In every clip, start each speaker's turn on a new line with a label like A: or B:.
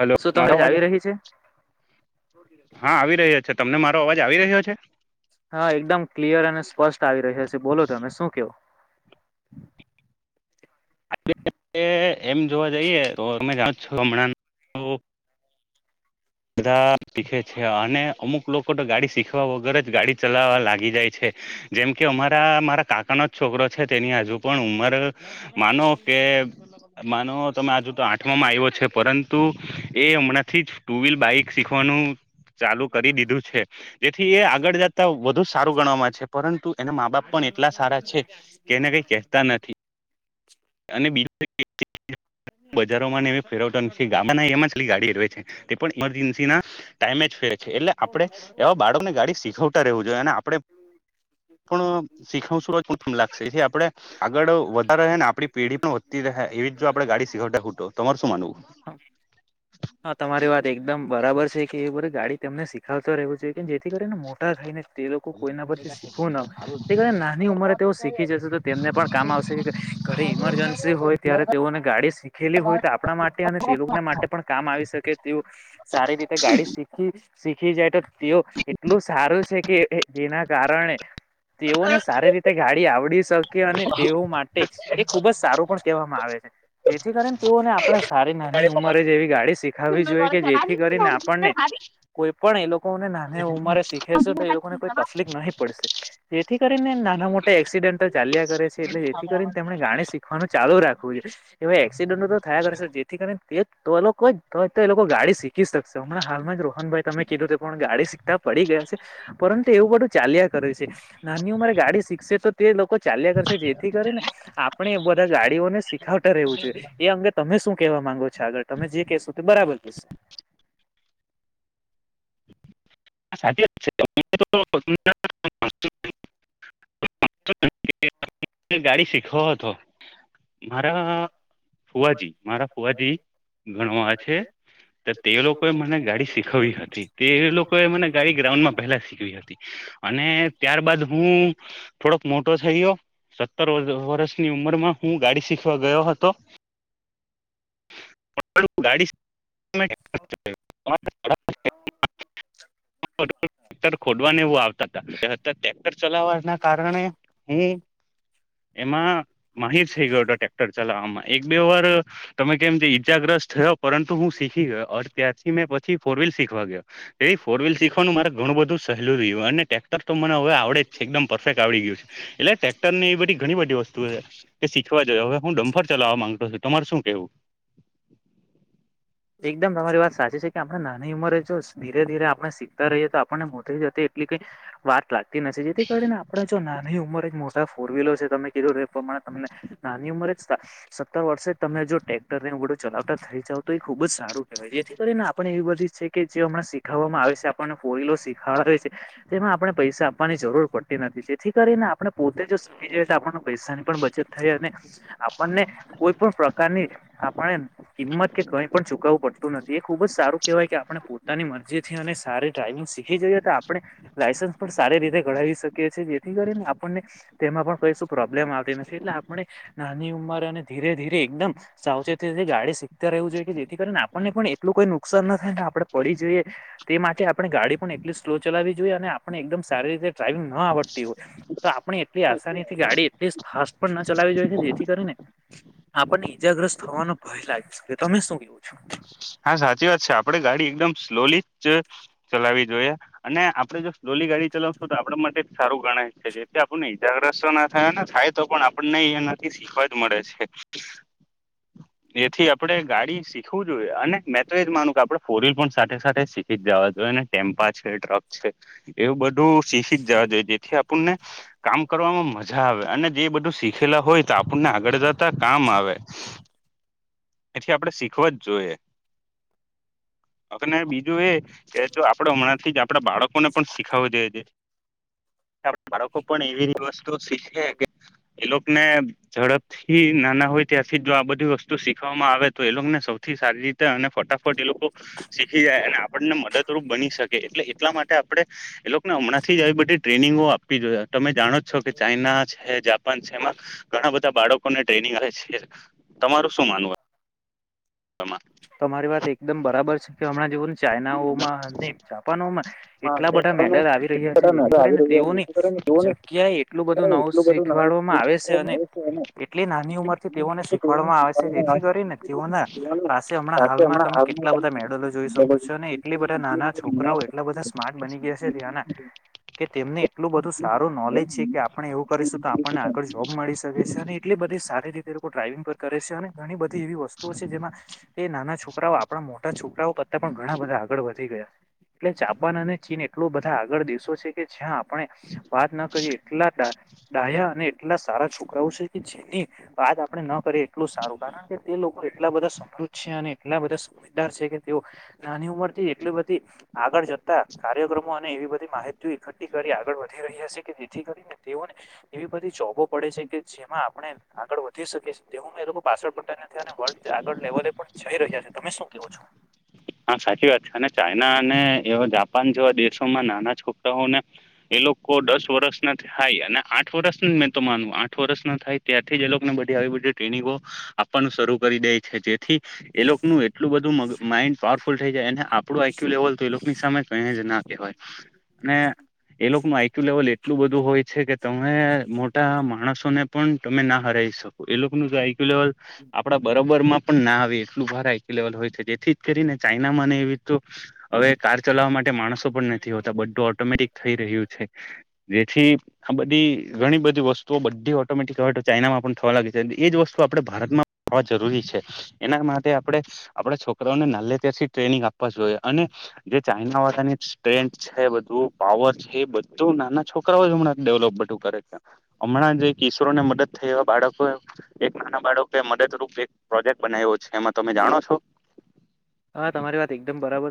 A: Hello
B: શું તમે
A: મારો અવાજે
B: આવી રહી છે
A: [inaudible] હા આવી રહ્યા છે તમને મારો અવાજ આવી રહ્યો છે
B: હા એકદમ ક્લિયર અને સ્પષ્ટ આવી રહ્યો છે બોલો તમે શું કેવુ
A: [inaudible] એમ જોવા જઈએ તો અમે જજાણો છો હમણાં [inaudible] બધા શીખે છે અને અમુક લોકો તો ગાડી શીખવા વગર જ ગાડી ચલાવા લાગી જાય છે જેમ કે અમારા મારા કાકાનો જ છોકરો છે તેની હજુ પણ ઉમર માનો કે માનો તમે આજુ તો આઠમામા આવ્યો છે પરંતુ એ હમણાંથી જ ટુ વ્હીલ બાઈક શીખવાનુ ચાલુ કરી દીધું છે જેથી એ આગળ જતા વધુ સારું ગણવામા છે. પરંતુ એના મા બાપ પણ એટલા સારા છે કેને કઈ કેહેતા નથી. અને બીજું એ બજારોમાં ને એ ફેરવતા નથી ગામ એમાં છેલ્લી ગાડી ફેરવે છે તે પણ ઇમરજન્સી ના ટાઈમે જ ફેરે છે એટલે આપણે એવા બાળકને ગાડી શીખવતા રહેવું જોઈએ અને આપણે પણ શીખ શું લાગશે એથી આપડે આગળ વધારે ને આપણી પીઢી ગડી વધતી રહે એવી જો આપડે ગાડી સીખવતા રહુ તમારે શું માનવું [unintelligible]
B: હા તમારી વાત એકદમ બરાબર. છે કે એ બધી ગાડી તને શીખાવતો રહેવુ જોઈએ કે જેથી કરીને મોટા થઈને તે લોકો કોઈના પરથી શીખવું ન એ નાની ઉંમરે તે શીખી જશે તો તેમને પણ કામ આવશે ઘરે ઈમરજન્સી હોય ત્યારે તેઓને ગાડી શીખેલી હોય તો આપણા માટે અને તે લોકોના માટે પણ કામ આવી શકે તેઓ સારી રીતે ગાડી શીખ શીખી જાય તો તેઓ એટલું સારું છે કે જેના કારણે તેઓને સારી રીતે ગાડી આવડી શકે અને તેઓ માટે તે ખુબ જ સારું પણ કહેવામાં આવે છે જેથી કરીને તેઓને આપડે સારી નાની ઉંમરે જ એવી ગાડી શીખાવવી
A: સાચી
B: જોઈએ
A: વાત
B: કે જેથી કરીને આપણને કોઈ પણ એ લોકો ને નાની ઉંમારે શીખે છે તો એ લોકોને કોઈ તકલીફ નહીં પડશે જેથી કરીને નાના મોટા એક્સી ચાલ્યા કરે છે એટલે જેથી કરીને તેમણે ગાડી શીખવાનું ચાલુ રાખવું જો એ હવે એક્સિડન્ટો તો થયા કરે છે જેથી કરીને તે તો એ લોકો તો એ લોકો ગાડી શીખી શકશે હમણાં હાલમાં જ રોહનભાઈ તમે કીધું તે ગાડી શીખતા પડી ગયા છે પરંતુ એવું બધું ચાલ્યા કરે છે. નાની ઉંમરે ગાડી શીખશે તો તે લોકો ચાલ્યા કરશે જેથી કરી ને આપણે એ બધા ગાડીઓને શીખવતા રહેવું છે એ અંગે તમે શું કેવા માંગો છો આગળ તમે જે કહેશો તે બરાબર કેશો.
A: સાચીત છે [inaudible] [inaudible] [unintelligible] [inaudible] ગાડી શીખવો હતો મારા ફુવાજી, મારા ફુવાજી ઘણો આ છે. તો તે લોકોએ
B: લોકો
A: મને ગાડી શીખવવી હતી, તે
B: શીખવાડી એ
A: લોકો એમણે મને ગાડી ગ્રાઉન્ડમા,
B: લોકો
A: પહેલા શીખવી હતી અને ત્યારબાદ હુ થોડોક મોટો થયયો સત્તર વર્ષની ઉંમરમા હુ, ગાડી શીખવા ગયો હતો [unintelligible] ગાડી [unintelligible] [unintelligible] ક્ટર ખોદવાને એવું આવતા હતા, ત્યારે ટ્રેક્ટર ચલાવવાના કારણે હુ. એમાં માહીર થઈ ગયો હતો ટ્રેક્ટર ચલાવવામાં એક બે વાર તમે કેમ જે ઈજાગ્રસ્ત થયો પરંતુ હુ, શીખી ગયો ત્યારથી મેં પછી ફોર વ્હીલ શીખવા ગયો. એ ફોરવ્હીલ શીખવાનું મારે ઘણું બધુ સહેલું રયું અને ટ્રેક્ટર, તો મને હવે આવડે જ એકદમ પરફેક્ટ આવડી ગયું છે. એટલે ટ્રેક્ટર ની એ બધી ઘણી બધી વસ્તુ છે, કે સીખવા જો હવે હું ડમ્ફર ચલાવવા માંગતો છુંતમાર શુ બેવ
B: એકદમ તમારી વાત સાચી છે કે આપણા નાની ઉંમરે જો ધીરે ધીરે આપણે શીખતા રહીએ, તો આપણને મોતરી જતી એટલી કંઈ વાત લાગતી નથી. જેથી કરીને આપણે જો નાની ઉંમર મોટા ફોરવ્હીલરો છે, જે તમે કીધુ પણ મારે તમને નાની ઉંમર જ સત્તર વર્ષે જ તમે જો ટેક્ટરને એવું બઢુ ચલાવતા થઈ જાવ તો એ ખુબ જ સારું કહેવાય જેથી કરીને આપણે એવી બધી છે કે જે હમણાં શીખાવવામાં આવે છે આપણને ફોરવીલો શીખાડ [unintelligible] તેમાં આપણે પૈસા આપવાની જરૂર પડતી નથી, જેથી કરીને આપણે પોતે જો શીખી જ‌ઇએ તો આપણ પૈસાની પણ બચત થઈ, અને આપણને કોઈ પણ પ્રકારની આપણે કિંમત કે કંઈ પણ ચુકવવું પડતુ નથી. એ ખુબ જ સારું કહેવાય કે આપણે પોતાની મરજીથી અને સારી ડ્રાઈવિંગ શીખી જઈએ, તોઆપણે લાયસન્સ પણ સારી રીતે કઢાવી શકીએ છી જેથી કરીને આપણને તેમ હાપણ બૈસો પ્રોબ્લેમ આવતી નથી એટલે આપણે નાની ઉંમરે અને ધીરે ધીરે એકદમ સાવચેતીથી ગાડી શીખ તા રહેવું જોઈએ, કે જેથી કરીને આપણને પણ એટલું કોઈ નુકસાન ન થાયને આપણે પડી જઈએ તે માટે આપણે ગાડી, પણ એટલી સ્લો ચલાવી જોઈએ, અને આપણે એકદમ સારી રીતે ડ્રાાઈવિંગ ન આવડતી હોય તો આપણે એટલી આસાનીથી ગાડી, એટલીસ્ટ ફાસ્ટ પણ ના ચલાવી જોઈહે જેથી કરીને આપણને ઈજાગ્રસ્ત, થવાનો ભય લાગી શકે. તમે શું કેવું છો?
A: હા, સાચી વાત છે. આપડે ગાડી એકદમ સ્લોલી જ ચલાવી જોઈએ અને આપડે જો સ્લો ધીમી ગાડી ચલાવશો તો આપણા માટે જ સારું ગણાય છે. જેથી આપણને ઇજાગ્રસ્તો ના થાય ને થાય તો પણ આપણને એનાથી શીખવા જ મળે છે. એથી આપડે ગાડી શીખવું જુએ અને મેં તો એજ માનું કે આપણે ફોર વ્હીલ પણ સાથે સાથે શીખી જ જવા જોએ ને ટેમ્પા છે, ટ્રક છે. એવું બધુ શીખી જ જવા જોઈએ, જેથી આપણને કામ કરવામાં મજા આવે અને જે બધું શીખેલા હોય. આપણને આગળ જતા, કામ આવે એથી આપણે શીખવા જ જોએ. અને બીજુ, એ કે જો આપડે હમણાંથી જ આપડા બાળકોને પણ શીખાવુ જોએ [inaudible] આપ [inaudible] બાળકો પણ એવી વસ્તુ શીખે કે એ લોકને ઝડપથી નાના હોય, ત્યાંરથી જ જો આ બધી વસ્તુ શીખવામાં આવે તો એ લોકોને સૌથી સારી અને ફટાફટ એલોકો શીખી, જાય અને આપણને મદદરૂપ બની શકે એટલે એટલા માટે આપણે એ લોકને હમણા આજથી જ એવી બધી ટ્રેનિંગો આપવી જોએ તમે જાણો છો, કે ચાઈના છે જાપાન છે, એમાં ઘણાં બધા બાળકોને ટ્રેનિંગ આવે છે. તમારુ શું માનવું એ તમા
B: તમારી વાત એકદમ બરાબર છે, કે હમણાં જેઓ ને ચાાઈનાઓમાં ને જાપાનોમા એટલા બધા મેડલ આવી રહ્યા છે,
A: બધા
B: જેથી
A: નવા આવી
B: કરીને
A: રહ્યા
B: તેઓની
A: જેથી કરીને તેઓને
B: જગ્યાએ એટલું બધું નવું
A: એટલું
B: શી
A: બધું
B: શીખવાડવામા આવેશે, અને
A: નવું
B: એટલી નાની
A: હા
B: ઉંમરથી તેઓને શીખવાડવામા આવેશે જેથી કરીને તેઓના પાસે હમણા, હાલમા તમે કેટલા બધાં મેડલો જોઈ શકો છો. અને એટલી બધાં નાના છોકરાઓ એટલા બધા સ્માર્ટ બની ગયા હશે, તેઓના
A: સાચી
B: કે તેમને એટલું બધું સારુ નોલેજ છે. કે આપણે એવું કરીશું તો આપણને આગળ જોબ મળી શકે છે, અને એટલી બધી સારી, રીતે એલોકો્ર વીંગ પણ કરે છે. અને ઘણી બધી એવી વસ્તુઓ છે, જેમાં એ નાના છોકરાઓ આપણા મોટા છોકરાઓ કરતા પણ ઘણા બધા આગળ વધી ગયા એટલે જાપાન, અને ચીન એટલો બધા આગળ દેશો છે. કે જ્યા આપણે, વાત ના કરીએ એટલા ડાયા અને એટલા સારા છોકરાઓ છે કે જેની વાત આપડણે ન કરીએ એટલું સારું કારણ કે તે લોકો એટલા બધા તી છે અને એટલા સમજદાર છે, કે તેઓ નાની ઉંમર એટલી બધી આગળ જતા કાર્યક્રમો અને એવી બી માહિતી એકઠી કરી આગળ વધી રહ્યા છે, કે જેથી કરીને તેઓને એવી બધી જોબો મડે છે કે એમાં આપણે આગળ વધી શકીએ તેવું એ લોકો પાછડ પડતા નથી અને વર આગળ લેવલે જઈ રહ્યા છે, તમે શું કેવો છો?
A: હા સાચી વાત છે, અને ચાઈના અને એવા જાપાન જેવા દેશોમાં નાના છોકરાઓને લોકો દસ વર્ષના થાય અને આઠ વર્ષ મે તો માનુ આઠ વર્ષ ના થાય ત્યારથી જ એ લોકોને બધી આવી બધી ટ્રેનીગો આપવાનું શરૂ કરી દે છે, જેથી એ લોકો ન એટલું બધું મગ માઇન્ડ પાવરફુલ થઈ જાય એને આપણું આઈક્યુ લેવલ તો એ લોકોની સમે કયજ ના કહેવાય અને એ લોકોનું આઈક્યુ લેવલ એટલું બધું હોય છે, કે તમે મોટા માણસોને પણ તમે ના હરા શકો એ લોકો ન આઈકયુ લેવલ આપડા બરાબર માં પણ ના આવે એટલું વાાર લેવલ હોય છે. જેથી જ કરીને ચાઈના ને એવી રી હવે કાર ચલાવવા માટે માણસો પણ નથી, હોતા બધું ઓટોમેટિક થઈ જેથી, આ બધી ઘણી બધી વસ્તુ તો બધી ઓટોમેટિક આવે તો ચાઇના માં પણ થવા લાગે છે. એ જ વસ્તુ આપણે ભારતમા ખવા જરૂરી છે, એના માટે આપે આપડ છો. ને નાલે ત્યાંથી ટ્રેનિંગ આપવા જ જોઈએ અને જે ચાાઈના વાળાની સ્ટ્રેથ છે. બધુ પાવર છે, બધ તો નાના છોકરાઓ હમણાં ડેવલોપ બધું કરે છે. હમણાં જે કિશોરો ને મદદ થઈ એવા બાળકો એક નાના બાળકે મદદરૂપ એક પ્રોજેક્ટ બનાવ્યો છે, એમાં તમે જાણો છો.
B: હા તમારી વાત એકદમ બરાબર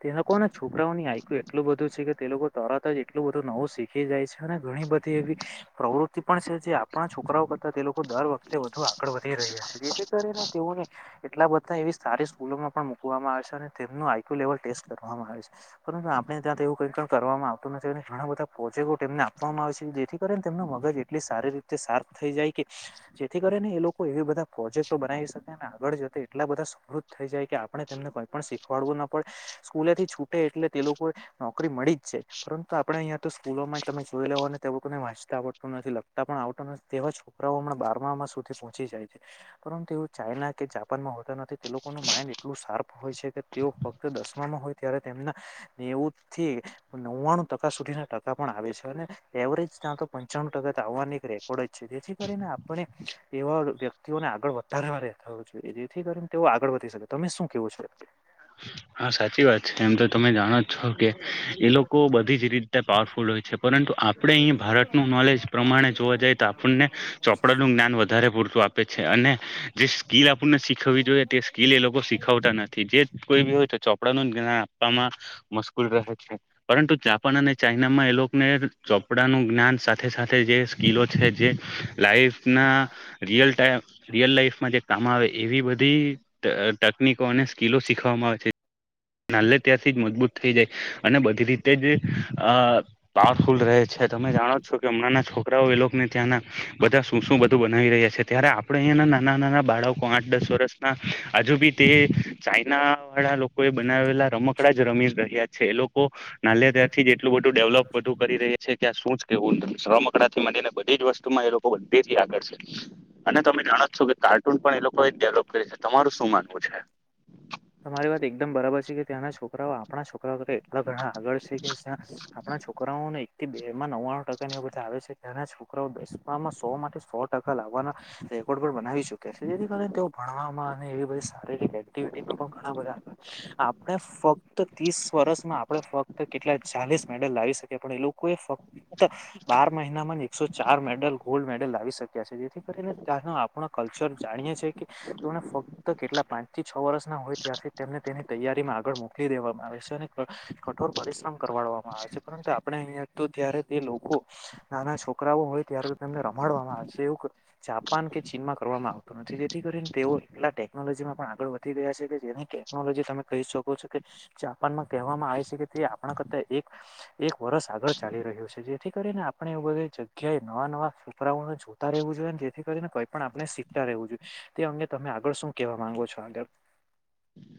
B: તે લોકો ના છોકરાઓની આયક્યું એટલું બધું છે કે તે લોકો તરાત જ એટલું બધું નવું શીખી જાય છે, અને ઘણી બધી એવી પ્રવૃ જે આપણા છોકરાઓ તે લોકો દર વખતે વધુ આગળ વધી રહ્યા છે, જેથી કરીને તેઓને એટલા બધા એવી સારી સ્કૂલોમાં પણ મૂકવામાં આવે છે, અને તેમનું આઈક્યુ લેવલ ટેસ્ટ કરવામાં આવે છે, પરંતુ આપણે ત્યાં એવું કઈ કર આવ નથી ઘણા બધા પ્રોજેક્ટો તેમને આપવામાં આવે છે, જેથી કરીને તેમનું મગજ એટલી સારી રીતે સાપૅ થઈ જાય જેથી કરીને એ લોકો એ બધા પ્રોજેક્ટ બનાવી શકે આગળ જ એટલા બધા સમૃ થઈ જાય કે આપણે તેમને કોઈ પણ શીખવાડવું ન પડે સ્કૂલે થી છૂટે એટલે તે લોકો નોકરી મળી જ પરંતુ આપણે અહંયા તો સ્કૂલો માં તમે જોય લે ને તે લોકોને વાંચતા આવડતું નથી લખતા પણ આવડતો નથી છોકરાઓ બારમામાં સુધી પહોંચી જાય છે, પરંતુ એઓ ચાઈના કે જાપાનમાં હોતા નથી તે લોકો માઇન્ડ એટલું શાર્પ હોય છે, કે તેઓ ફક્ત દસમામાં હોય ત્યારે તેમના નેવથી નવ્વાણું ટકા સુધીના ટકા પણ આવે છે, અને એવરેજ ત્યાં તો પંચાણું ટકા આવવાની એક રેકોર્ડ જ છે. જેથી કરીને આપણે એવા વ્યક્તિઓને આગળ વધારે રહેતા હોય જોઈએ જેથી કરીને તેઓ આગળ તમે શું કેવું છે?
A: હા સાચી વાત છે, એમ તો તમે જાણો જ છો કે એ લોકો બધી જ રીતે પાવરફ ફુલ હોય છે. પરંતુ આપણે અહીંયા ભારતનું નોલેજ પ્રમાણે જોવા જઈએ તો આપણને ચોપડાનું જ્ઞાન વધારે પૂરતું આપે છે. અને જે સ્કીિલ આપણને શીખવી જોઈએ તે સ્કીિલ એ લોકો શીખવતા નથી જે કોઈ કપડા નું જ્ઞાન આપવામાં મુશ્કુલ રહે છે. પરંતુ જાપાન અને ચાાઈનામાં એ લોકોને ચોપડાનું જ્ઞાન સાથે સાથે જે સ્કીલો છે જે લાઈફ ના રિયલ ટ રિયલ લાઈફમાં જે કામ આવે એવી બધી તકનીકો અને સ્કીિલો શીખવામાં આવે છે. નાલે ત્યાંથી જ મજબૂત થઈ જાય અને બધી રીતે જ આ પાવ ફુલ રહે છે તમે જાણો છો કે હમણાં છોકરાઓ એ લોકોને ત્યાંના બધા શું શું બ બનાવી રહ્યા છે, ત્યારે આપણે અ નાના નાના બાળકો આઠ દસ વર્ષના હજુ બી તે ચાઈના વાળા લોકો એ બનાવેલા રમકડા જ રમી રહર્યા છે એ લોકો નાલે ત્યાારથી જ એટલું બધું ડેવલપ બધું કરી રહી છે કે આ શું જ કેવું નથી રમકડાથી માંડીને બધી જ વસ્તુમાં એ લોકો બધેથી આગળ છે. અને તમે જાણો જ છો કે કાર્ટૂન પણ એ લોકો એ ડેવલપ કરે છે તમારું શું માનવું છે.
B: તમારી વાત એક કે ત્યાંના છોકરાઓ આપણા છોકરાઓ કરતા એટલા ઘણા આગળ છે કે જ્યાં આપણા છોકરાઓને એકથી બે માં નવ્વાણું ટકાની એ બધા આવે છે ત્યાંના છોકરાઓમાં સો માંથી સો ટકા લાવવાના રેકોર્ડ પણ બનાવી ચુક્યા છે જેથી કારણે તેઓ ભણવામાં અને એવી બધી શારીરિક એક્ટિવિટીમાં પણ ઘણા બધા આગડ આપને ફક્ત ત્રીસ વર્ષમાં આપણે ફક્ત કેટલા ચાલીસ મેડલ લાવી શકે પણ એ લો કોઈ ફક્ત બાર મહિનામાં એકસો ચાર મેડલ ગોલ્ડ મેડલ લાવી શક્યા છે જેથી કરીને ત્યારના આપણો કલ્ચર જાણીએ છીએ કે પણ ફક્ત કેટલા પાંચ થી છ વર્ષના હોય ત્યારથી તેમને તેની તૈયારીમાં આગળ મોકલી દેવામાં આવે છે અને કઠોર પરિશ્રમ કરવાડવામાં આવે છે પરંતુ આપણે અહીંયા તો ત્યારે તે લોકો નાના છોકરાઓ હોય ત્યારે તો તેમને રમાડવામાં આવે તેવુ જાપાન કે ચીનમાં કરવામાં આવતું નથી તેથી કરીને તેઓ એટલા ટેકનોલોજીમાં પણ આગળ વધી ગયા છે કે જેની કે ટેકનોલોજી તમે કહી શકો છો કે જાપાનમાં કહેવામાં આવે છે કે તે આપણા કરતા એક એક વર્ષ સાગળ ચાલી રહ્યું છે, જેથી કરીને આપણે એ બધી જગ્યાએ નવા નવા છોકરાઓ જોતા રહેવું જોઈએ ને જેથી કરીને કઈ પણ આપણે શીખતા રહેવું જોઈએ તે અંગે તમે આગળ શું કેવા માંગો છો આગળ?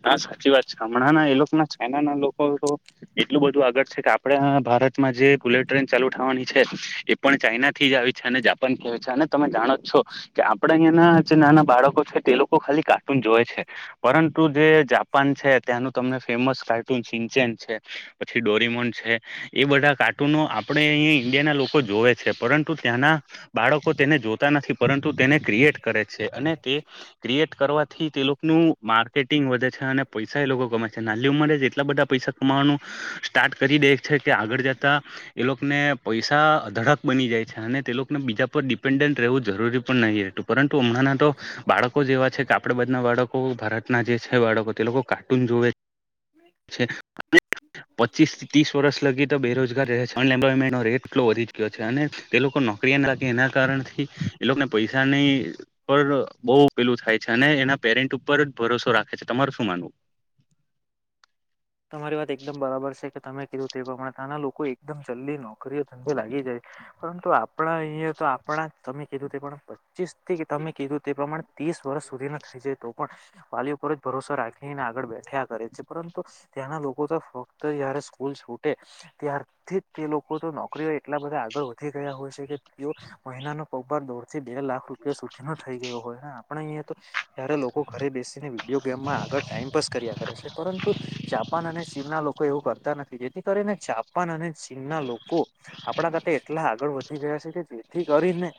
A: હા સાચી વાત છે હમણાં ના એ લોક ના ચાઈના ના લોકો તો એટલું બધું આગળ છે, કે આપડે ભા ભારતમાં જે બુલેટ ટ્રેન ચાલુ થવાની છે, એ પણ ચાઇનાથી જ આવી છે, અને જાપાન થી આવી છે અને તમે જાણો છો કે આપડે અહીંયા જે નાના બાળકો છે તે લોકો ખાલી કાર્ટૂન જોવે છે પરં તું તે જાપાન છે, ત્યાંનું તમને ફેમસ કાર્ટૂન સિંચેન છે. પછી ડોરીમોન છે, એ બધા કાર્ટૂનો આપણે અહીંયા ઈન્ડિયાના લોકો જોવે છે, પરંતુ ત્યાંના બાળકો તેને જોતા નથી પરંતુ તેને ક્રિએટ કરે છે, અને તે ક્રિએટ કરવાથી એ લોકનું માર્કેટિંગ વધે છે, અને પૈસા એ લોકો કમાઈ છે, નાની ઉંમરે એટલા બધા પૈસા કમાવાનું સ્ટાર્ટ કરી દે છે કે આગળ જતા એ લોકને પૈસા અધડક બની જાય છે અને તે લોકને બી બીજા પર ડિપેન્ડન્ટ રહેવું જરૂરી પણ નહીં રહેતું પરંતુ હમણાં તો બાળકો જ એવા છે કા આપડે બાજ ના બાળકો ભારતના જે છે બાળકો તે લોકો કાર્ટૂન [unintelligible] જોવે છે. પચીસ થી ત્રીસ વર્ષ લગી તો બેરોજગાર રહે છે અનએમ્પ્લોયમેન્ટનો રેટ એટલો વધી ચુક્યો છે અને તે લોકો નોકરી નથી એના કારણથી એ લોકને પૈસાની પર બહુ પેલું થાય છે અને એના પેરેન્ટ ઉપર જ ભરોસો રાખે છે તમારું શું માનવું.
B: તમારી વાત એકદમ બરાબર છે કે તમે કીધું તે પ્રમાણે ત્યાં લોકો એકદમ જલ્દી નોકરીએ ધંધો લાગી જાય પરંતુ આપણા અહીંયા તો તો આપણા તમે કીધું તે પ્રમાણે પચીસ થી તમે કીધું તે પ્રમાણે ત્રીસ વર્ષ સુધી ના થઈ જાય તો પણ વાલીઓ પર જ ભરોસો રાખીને આગળ બેઠ્યા કરે છે પરંતુ ત્યાંના લોકો તો ફક્ત જ્યારે સ્કૂલ છૂટે ત્યારથી તે લોકો લોકો નોકરીઓ એટલા બધા આગળ વધી ગયા હોય છે કે તેઓ મહિનાનો પગભાર દોઢ થી બે લાખ રૂપિયા થઈ ગયો હોય આપણે અહીંયા તો ત્યારે લોકો ઘરે બેસીને વિડીયો ગેમમાં આગળ ટાઈમ પાસ કર્યા કરે કરે છે પરંતુ ચીન ના લોકો એવું કરતા નથી જેથી કરીને જાપાન અને ચીન ના લોકો આપણા કરતા એટલા આગળ વધી ગયા છે કે જેથી કરી ને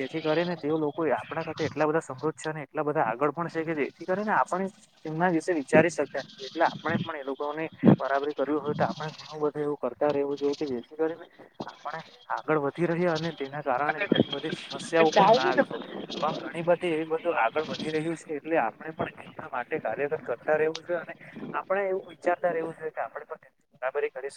B: તેથી કરીને તે લોકો આપણા સાથે એટલા બધા સમૃદ્ધ છે અને એટલા બધા આગળ પણ છે કે જેથી કરીને આપણે તેમના વિશે વિચારી શકતા નથી એટલે આપણે પણ એ લોકોને બરાબરી કરવી હોય તો આપણે ઘણું બધું એવું કરતા રહેવું જોએ કે જેથી કરીને આપણે આગળ વધી રહ્યા અને તેના કારણે ઘણી બધી સમસ્યાઓ પણ ના આવી શકે પણ ઘણી બધી એવી બધ આગળ વધી રહ્યું છે એટલે આપણે પણ એમના માટે કાર્યરત કરતા રહેવું છે અને આપડે એવું વિચારતા એવું છે કે આપડે કેટલી બરાબરી કરીશ